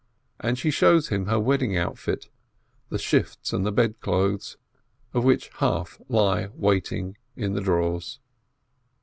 And she shows him her wedding outfit, the shifts and the bedclothes, of which half lie waiting in the drawers.